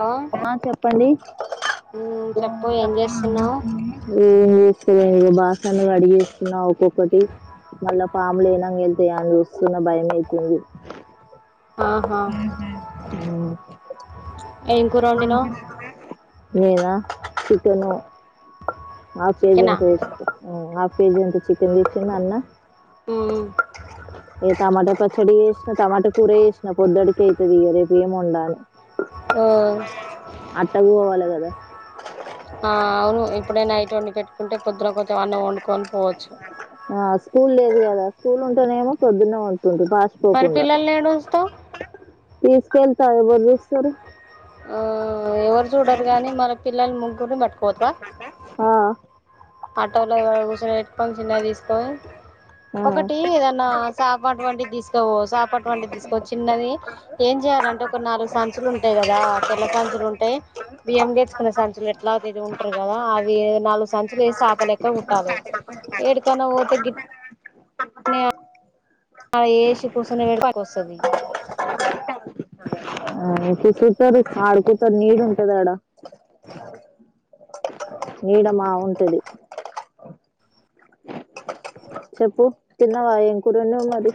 Hello ఆ చెప్పండి మ్మ్ [unintelligible] చెప్పు ఏం ఉమ్మ్ చేస్తున్నావు ఉమ్మ్ ఇ బాసనులు కడిగేస్తున్న ఒక్కొక్కటి మళ్ళా పాము లేనాక ఎళ్తే అవి చూస్తునే భయమైతుంది ఆహా ఉహూమ్మ్ ఉమ్మ్ ఏం కూర వండినావు నేనా చికెను హాఫ్ కేేజీ చికెనా అంతా చేస్ ఆ హాఫ్ కేజీ అంత చికెన్ తెచ్చిండు అన్న ఆ ఇగ టమాటా పచ్చడి చేషిన టమాటా కూర చేషిన పొద్దడకి అయితది ఇగ రేపేం వొండాల ఓ అట్ట బోవాల గదా ఆ అవును ఇప్పుడే నైట్ వొండి పెట్టుకుంటే పొద్దున కొంచెం అన్నం వొండుకోని పోవచ్చు ఆ స్కూల్ లేదు కదా స్కూల్ ఉంటేనేమో కదా పొద్దున్న ఉంటుండే మరి బాస్పోకుండా పిల్లల్ని ఏడుస్తావు తీస్కోన్పా ఎవరు తీస్తరు ఆ ఎవరు జూడరు గాని మన పిల్లలు ము పట్టుకోవద్ద ఆ ఆటోలో కూసొని బెట్టుకోని చిన్నగ తీస్ ఆ ఒకటి ఏదన్నా శాప అటువంటిది తీసుకోబోవద్ చాప అటువంటి తీసుకొ చిన్నది ఏం జెయ్యాలంటే ఒక నాలుగు సంచులు ఉంటాయి గదా సంచులుంటే బియ్యం తెచ్చుకున్ సంచులెట్లా తిరుగుంటరు కదా అవి నాలుగు సంచులేసి ఆపలే కుట్టాలి ఏడి కన్నా పోతే గిట్నే ఆ ఏసి కుసోని [inaudible] కొస్తాది ఆ [inaudible] చూతారు ఆడుకుతారు నీడ్ ఉంటదాడ నీడమా ఉంటది చెప్పు తిన్నవా ఏం కూరొండ్నావ్ మరి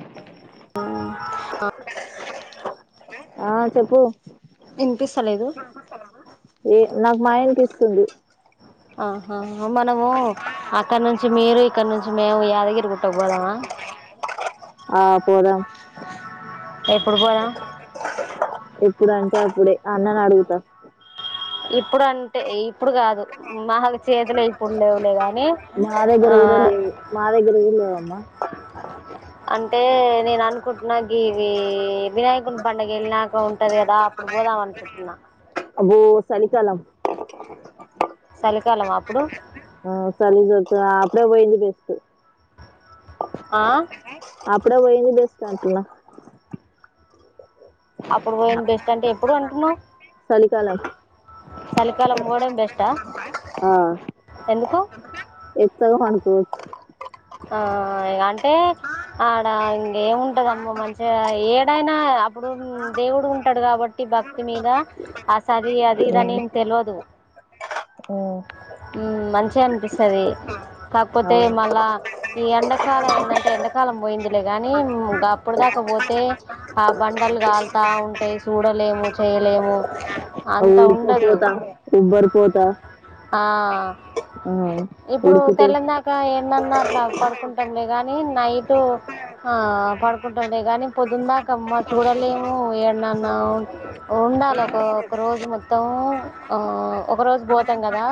ఆ చెప్పు ఇనిపిస్త లేదు తుంది ఆహా మనము ఇక్కడ నుంచి మీరు ఇక్కడ నుంచి మేము యాదగిరి గుట్టకు బోదమా ఆ పోదాం ఎప్పుడు బోదం ఎప్పుడంటే అప్పుడే అన్ననడుగుతా ఇప్పుడంటే ఇప్పుడు గాదు మాహకు చేతులు ఇప్పుడుందేలేదా మా దగ్గర గూడ లేవు మా దగ్గర గుడ లేవన్న ఇ అంటే [unintelligible] నేను అనుకుంట్నా గివి వినాయకుని పండుగ ఎళ్ళినాక ఉంటది గదా అప్పుడు బోదాం అనుకుంటున్నా అబ్బో సలికాలం సలికాలమా అప్పుడు ఆ చలీజొచ్చినా అట్లే బొయంది బెస్ట్ ఆ అప్పుడే బొయేది బెస్ట్ అంటున్న అప్పుడు బొయింది బెస్ట్ అంటే ఎప్పుడు అంటున్నావ్ చలికాలం చలికాలం పోవడం బెస్టా ఆ ఎందుకు ఎచ్చగానికి ఆ అంటే ఆడ ఇంకేముంటదమ్మ మంచిగా ఏడైనా అపుడు దేవుడు ఉంటాడు కాబట్టి భక్తి మీద అసది అదిదని ఏం పండుకోవచ్చు తెలవదు మ్మ్ మంచి అనిపిస్తది కాకపోతే అవును మళ్ళా ఈ ఎండాకాలం ఏంటంటే ఎండాకాలం బొయిందిలే గానీ గ అప్పుడు దాకా బోతే ఆ బండలు గాల్తా ఉంటాయి సూడలేము చెయ్యలేము ఊడికపొత ఉబ్బరి పోతా ఆ ఇప్పుడు ఉడుకుతే పెళ్లన్నాక ఏం అట్లా పడుకుంటాంలే గాని నైట్ ఆ పడుకుంటాంలే ని పొద్దున దాకా అమ్మ చూడలేము ఏన్నాన్న ఉండాలి ఒకక్క రోజు మొత్తము ఆ ఒక రోజు పోతాం కదా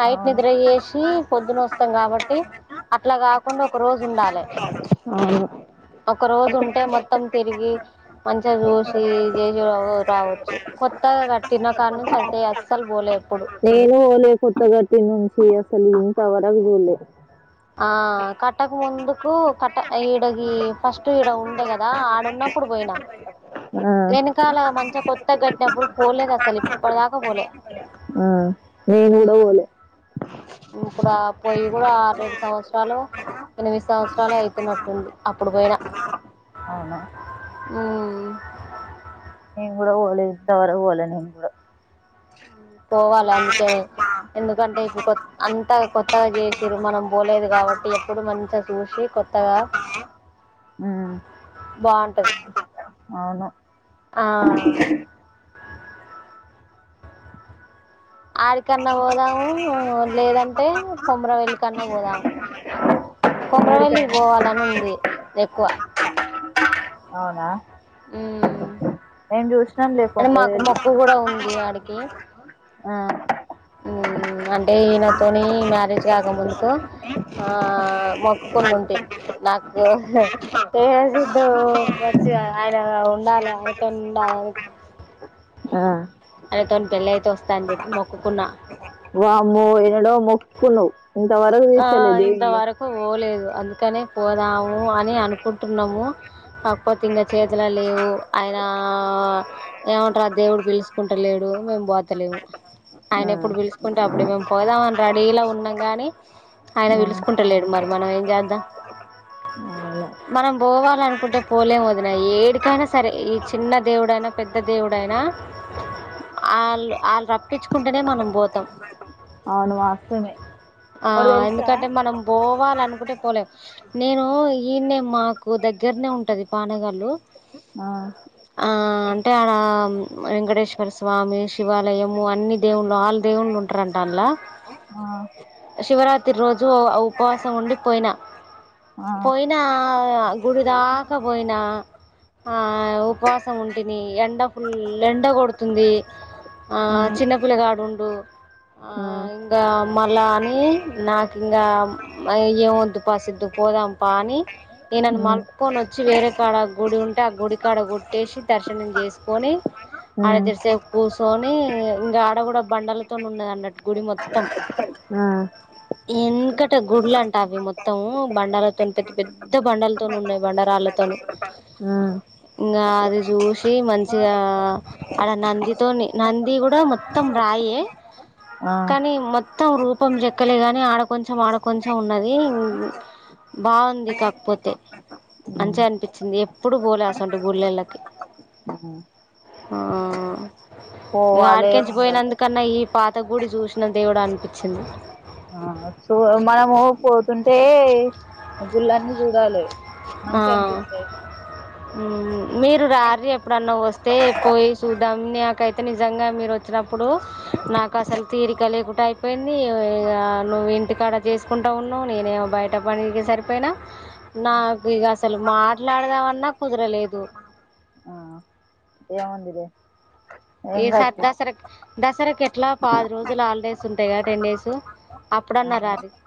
నైట్ అవును నిద్ర చేసి పొద్దున్న వస్తాం కాబట్టి అట్లా కాకుండా ఒక రోజు ఉండాలే అ [unintelligible] ఒక రోజు ఉంటే మొత్తం తిరిగి మంచిగా చూసి చేసి రావచ్చు కోత్తగా కట్టిన కాడి నుంచి అయితే అస్సలు పోలే ఎప్పుడు నేను పోలే కొత్తగటి నుంచి అసలు ఇంత వరకు చులే ఆ కట్టక ముందుకు కట్ట ఈడకి ఫస్ట్ ఈడ ఉండే కదా ఆడన్నప్పుడు అప్పుడు పోయినా ఆ వెనకాల మంచిగా కొత్తగా కట్టినప్పుడు పోలేదు అసలు ఇప్పటిదాకా పోలే ఆ నేనుకుడ ఉమ్, పోలే ఇప్పుడు ఆ పొయ్యి కూడా ఆరెడు సంవత్సరాలు ఎనిమిది సంవత్సరాలు అయితున్నట్టుంది అప్పుడు పోయిన అవునా ఉమ్ నేను కూడా పోలే ఇంతవరకు పోలే నేను కూడా పోవాలా అందుకే ఎందుకంటే ఇప్పుడు కొత్ అంతా కొత్తగా చేసిరు మనం పోలేదు కాబట్టి ఎప్పుడు మంచిగా చూసి కొత్తగా ఉమ్ బాగుంటది ఆ [unintelligible] ఆడికన్నా పోదాము లేదంటే కొమర వెల్లి కన్నా పోదాం కొమరవెల్లికి ఏడికైనా పోవాలని ఉంది ఎక్కువ అవునా ఉమ్ మేం చూసినాం లే అదే మాకు కొంపవేలు మొక్కు కూడా ఉంది ఆడికి ఆ ఉమ్ అంటే ఈయనతోని మ్యారేజ్ కాక ముందుకు ఆ మొక్కు కొన్ని ఉంటే నాకు [unintelligible] మంచిగా ఆయన ఉండాలి ఆయనతో ఉండాలి అని ఆ ఆయన తోని పెళ్లియితే వస్తా చెప్పి మొకుకున్నా వామో ఎడో మొక్కుకున్నావ్ ఆ ఇంతవరకు పోలేదు అందుకు కనే పోదాము అని అనుకుంటున్నాము కాకపోతే ఇంగ చేతుల లేవు ఆయన ఆ ఏమంటారు ఆ దేవుడు పిలుసుకుంట లేడు మేము పోతలేము ఆయన ఆ ఎప్పుడు పిలుచుకుంటే అప్పుడే మేము పోదాం అని రెడీలో ఉన్నాం కాని ఆయన ఉమ్, పిలుసుకుంటలేడు మరి మనం ఏం చేద్దాం అవును మనం పోవాల అనుకుంటే పోలేము వదిన ఏడికైనా సరే ఈ చిన్న దేవుడైనా పెద్ద దేవుడైనా ఆ అల్లు అల్లు వాళ్ళు రప్పించుకుంటేనే మనం పోతాం అవును వాస్తవమే ఆ ఒకటి తెలుసా ఎందుకటే మనం పో పోవాల అనుకుంటే పోలెం నేను ఈడనే మాకు దగ్గరనే ఉంటది పానగాళ్ళు ఆ ఆ అంటే ఆడ వెంకటేశ్వర స్వామి శివాలయము అన్ని దేవుళ్లు ఆల్ దేవుళ్ళు ఉంటారంటా అందులో ఆ శివరాత్రి రోజు ఉపవాసం ఉండి పోయినా ఆ పోయినా గుడి దాకా పోయినా ఆ ఉపవాసం ఉంటిని ఎండ ఫుల్ ఎండ కొడుతుంది, ఆ చిన్న పల్లగాడుండు ఆ ఇంకా మళ నాకు ఇంకా ఏం వద్దు పసిద్దు పోదాంపా అని ఏనేని ఆ మపు మలుపుకొని వచ్చి వేరే కాడ గుడి ఉంటే ఆ గుడి కాడ కొట్టేసి దర్శనం చేసుకొని, ఆ ఆడ తెరిసేపు కూర్చొని ఇంకా ఆడ కూడా బండలతో ఉన్నది అన్నట్టు గుడి మొత్తం ఆ ఇంకట గుడ్లు అంట అవి మొత్తం బండలతో పెద్ద పెద్ద బండలతో ఉన్నాయి బండారలు రాళ్ళతోని ఉ ఇంకా అది చూసి మంచిగా ఆడ నందితో నంది కూడా మొత్తం రా అయి ఆ కానీ మొత్తం కుప్పం చెక్కలే గాని ఆడ కొంచెం ఆడ కొొంచెం ఉన్నది, బావుంది కాకపోతే మంచిగా అనిపించింది ఎప్పుడు పోలే అసోంటి గుళ్ళెళ్ళకి ఆ ఆ ఇ పోవాలే ఆడికెంచి ఉండాలే పోయినందుకన్నా ఈ పా అత్త గూడి చూసిన దేవుడఅనిపించింది. ఆ చూ మనము పోతుంటే యి గూడుళ్ళన్నీ చూడాలి ఆ మంచిగా అనిపిస్తాది. మీరు రారి ఎప్పుడన్నా వస్తే పోయి చూద్దాం నాకైతే నిజంగా మీరు వచ్చిన అప్పుడు నాకు అసలు తీరిక లేకుడాయి పోయింది ఇ నువ్వు ఇంటికాడ చేసుకుంటా ఉన్నావు నేనేమో బయట పనికినికి సరిపోయినా నాకు ఇక అసలు మాట్లాడదామన్నా కుదరలేదు ఎంవద్దులే ఈసారి దసరకి దసరాకు ఎట్లా పది రోజుల హాలిడేస్ ఉంటాయి కదా టెన్ డేస్ అప్పుడున్నారు రరి [unintelligible]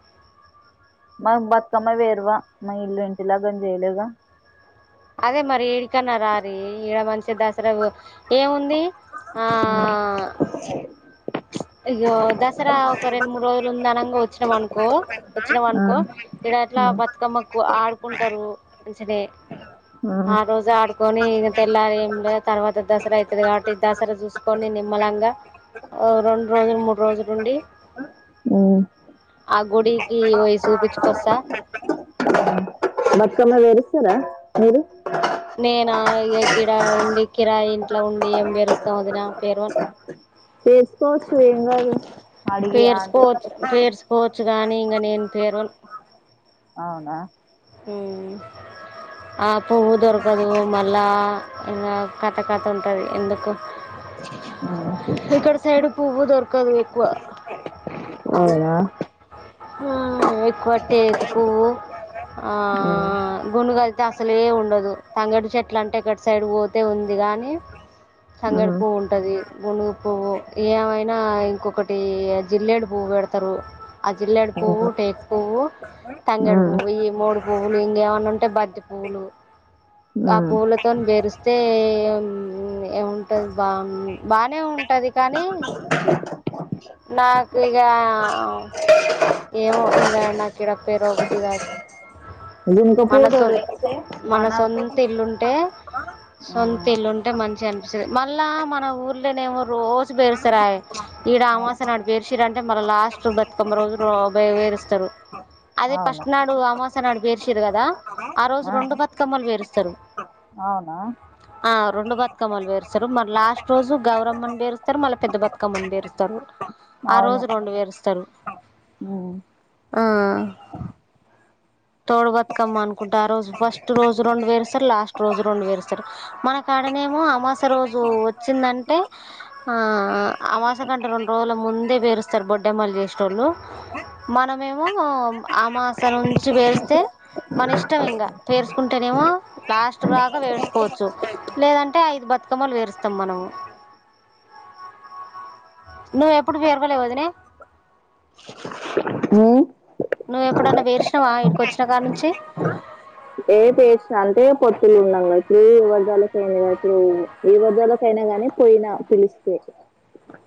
మ బతుకమ్మ వేర్వా మా ఇల్లు ఇంకా గీలాబ్ చేయలేదు అదే మరి ఇడికన్నా రారి ఈడ మనించిి దసరా ఏముంది ఆ ఆ ఇగో దసరా ఒక రెండు మూడు రోజులు ఉంద అనంగా వచ్చినాం అనుకో వచ్చినాం అనుకో ఇక్కడట్లా ఆ బతుకమ్మకు ఆడుకుంటారు మంచి గానే ఆ రోజు ఆడుకొని ఇంక తెల్లాల ఏం లేదు తర్వాత దసరా అవుతుది, కాబట్టి దసరా చూసుకొని నిమలంగా రెండు రోజులు మూడు రోజులు ఉండి ఉ ఆ గుడికి పోయి చూపించుకొస్తా బతుకమ్మ పేరుస్తారా మీరు నేనా గిడ ఉండి కిరాయి ఇంట్లో ఉండి ఏం పేరుస్తాం వదిన పేరువా పెర్ససుకోవచ్చు ఏం దు పేర్సకోవచ్చు, పేర్సకోవచ్చు కానీ ఇంక నేను పేరువ అవునా ఉ ఆ పువ్వు దొరకదు మళ్ళా ఇ కత కత ఉంటుంది ఎందుకు ఉ ఇటుసైడు పూవ్వు దొరకదు ఎక్కువ అవునా ఆ ఎక్కువ టేకు పువ్వు ఆ గునుగు అయితే అసలే ఉండదు తంగిడి చెట్ల అంటే గట్టు సైడ్ పోతే ఉంది గాని తంగడి పువ్వు ఉంటది గుడుగు పువ్వు ఏమైనా ఇంకొకటి జిల్లడు పువ్వు పువ్ పెడతారు జిల్లేడు పువ్వు టేక్ పువ్వు తంగేడి పువ్వు ఈ మూడు పువ్వులు ఇంకేమైన్నా ఉంటే బంతి పువ్వులు ఆ పూలతోని బరిస్తే ఏం ఏముంటది బా బానే ఉం టది కానీ ఓ నాకు ఇగా ఏమో ఇంకా నాకి ఈడ పేరుగా బుద్ధి కాదు జుంక పూత మనసు వేస్తే మన మనసొంత ఇల్లుంటే ఆ సొంత ఇల్లుంటే మంచిగా అనిపిస్తుంది మళ్ళా మన ఊర్లోనేమో రోజు పేరుస్తార ఏ ఈడు అమాసయ నాడు పేరుషీరు అంటే మళ్ళ లాస్ట్ బతుకొంమా రోజులు నో బయయి వేరుస్తారు అదే అవును ఫస్ట్ నాడు అమాస్య నాడు పేర్చిరు కదా ఆ రోజు రెండు బతుకమ్మలు పేరుస్తారు అవునా ఆ రెండు బతుకమ్మలు వేరుస్తారు మరి లాస్ట్ రోజు గౌరమ్మని పేరుస్తారు మళ్ళీ పెద్ద బతుకమ్మని పేరుస్తారు ఆ అవును రోజు రెండు వేరుస్తరు ఉమ్ ఆ తోడు బతుకమ్మ అనుకుంట ఆ రోజు ఫస్ట్ రోజు రెండు వేరుే సారు లాస్ట్ రోజు రెండు వేరుే సారు మనకు ఆ క్కడనేమో అమాస రోజు వచ్చిందంటే ఆ అమాస కంటే రెండు రోజుల ముం ముందే వేరుస్తారు బొడ్డెమ్మలు చేసోళ్ళు మనమేమో అమాస నుం చి పేరుస్తే మన ఇష్టం ఇంగ వేరుసుకుంటేనేమో లాస్ట్ బాగా వేర్సుకోవచ్చు లేదంటే ఐదు బ కమ్మలు పేరుస్తం మనము నువ్వ ఎప్పుడు పేరవలే వదినే ఉ నువ్వు ఎప్పుడన్నా పేర్చినవా ఇడికి వచ్చినకాడి నుంచి ఏ పేస్ అంటే పొత్తులు ఉన్నాం ఇప్పుడు ఎవరు చల్ యింది ఇప్పుడు ఈ మధ్యలో పోయిన గాని పిలిస్తే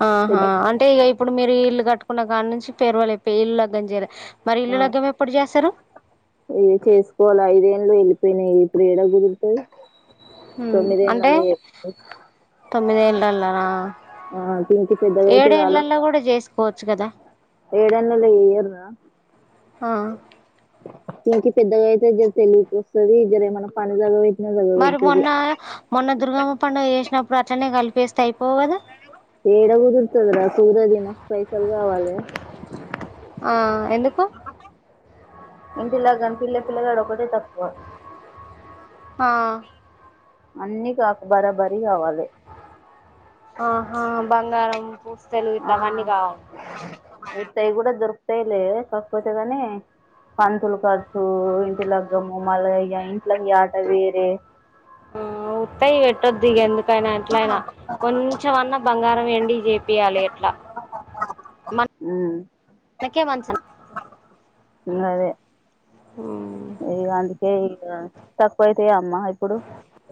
ఆహా పెద్ద అంటే ఇగ ఈప్ ఇప్పుడు మీరు ఇల్లు కట్టుకున్న కాని నుంచి పేరువాలు అయిపోయి ఇల్లు గ్గం చేయాలి మరి ఇల్లు ఆ లగ్గం ఎప్పుడు చేస్తారు ఏ చేసుకోవాల ఐదేళ్ళు వెళ్ళిపోయినాయి ఇప్పుడు ఏడ కుదురుతది తోమీది ఏళ్లలో చేసుకునే తొమ్మిదేళ్లలోనా పింకి పెద్దగా అయితది ఏడేళ్లలో కూడా చేసుకోవచ్చు కదా ఏడేళ్లలో చెయ్యరు రా ఆ ఇంటి పెద్దగా అయితే జర తెలికి వస్తుది జర ఏమన్నా పని చదువై మరి మొన్న మొన్న దుర్గమ్మ పండుగ చేసినప్పుడు అట్లనే కలిపేస్తే అయిపోవు కదా ఏడ కుదురుతది రా సూరది మస్తు పైసల్ కావాలి ఆ ఎందుకు ఇంటిలాగాని పిల్ల పిల్ల గడు ఒకటిే తక్కువ ఆ అన్నీ కావు బరాబరి కావాలి. ఆహా! బంగారం, పుస్తెలు ఇట్లా అవన్నీ కావాలి. అ మిగతావి కూడా దొరుకుతాయిలే కాకపోతేని పంతులు ఖర్చు, ఇంటి లగ్గము మళ్ళా ఇ ఇంట్లోకి యాట వేరే ఆ ఉత్తయి పెట్టొద్దు ఇక ఎందుకైనా యట్ల్యైన కొంచెం అన్నా బంగారం వెండి పెట్టేయాలి ఎట్లా ఉమ్ మనకే మంచిది. మ్ అదే మ్ ఇ అందుకే ఇక తక్కువైతాయా అమ్మా ఇప్పుడు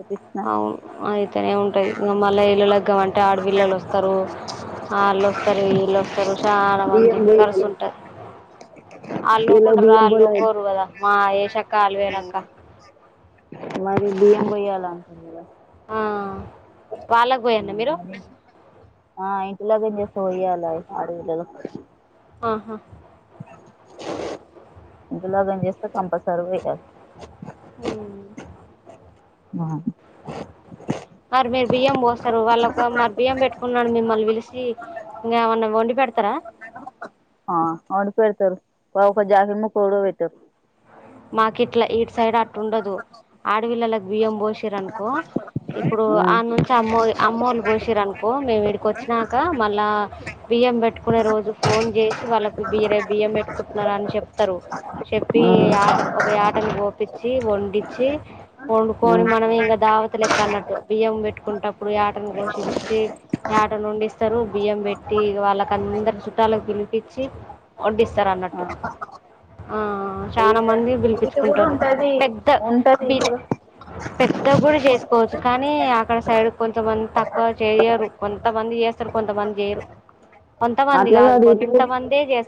ఏపిచ్చిన అవును అయితేనే ఉంటది. మళ్ళీ ఇళ్ల లగ్గము అంటే ఆడపిల్లలు వస్తారు. వాళ్ళు వస్తారు వీళ్ళు వస్తారు చాలా మంది బియ్యం కలిసి బోయాలి ఉంటారు. అల్లు వీళ్ళకి ఊరుకుంటారా బియ్యం బోలే అల్లుఊరుకోరు కదా మా ఎసక్కాలు అలు వేలక్క. వడి బియ్యం పోయ్యాల. ఆ వాళ్ళకు పోయన్న మీరు ఆ ఇంటిలోకి వస్తే పోయ్యాలి ఆడ ఆహా! ఇంకా పుణ్యోజనం చేస్తే కంపల్సరీ పోయాలి. మ్ ఆ మరి మీరు బియ్యం పోస్తారు. వాళ్ళ ఒక బియ్యం పెట్టుకొని మిమ్మల్ని పిలిసి ఇంకా ఏమన్నా వండి పెడతారా? ఆ అవును వండి పెడతారు. ఒక సారిమో గొడవ పెడతారు. మాకి ఇట్లా ఇటు సైడ్ అట్లా ఉండదు. ఆడపిల్లకి బియ్యం పోషిర్ అనుకో ఇప్పుడు ఆ ఉమ్ నుంచి అమ్మో అమ్మోళ్లు పోసిర్ అనుకో మేము ఈడికి వచ్చినాక మళ్ళా బియ్యం పెట్టుకునే రోజు ఫోన్ చేసి వాళ్ళకు బియ్యం పెట్టుకుంటున్న అని చెప్తారు చెప్పి ఆ ఒక యాటను కోపిచ్చి వండించి వండుకొని ఉమ్ మనం ఇంకా దావత లెక్క అన్నట్టు బియ్యం పెట్టుకుంటప్పుడు యాటను కోసిచ్చి వండిస్తారు. బియ్యం పెట్టి వాళ్ళకి అందరు చుట్టాలకు పిలిపచ్చి వడ్డిస్తారు ఆ అన్నట్టు. ఆ చా ఇగ చానామంది ఇటు కూడా పిలిపించుకుంటారు. ఉంటది పెద్ద ఉంటది ఇటు పెద్ద కూడా చేసుకోవచ్చు కానీ కానీ అక్కడ సైడ్ కొంతమంది తక్కువ చేయరు. కొంతమంది చేస్తారు. కొంతమంది చేయరు. కొంతమంది అట్లా కాదు ఇటు కూడా కొంతమందే చేస్తారు.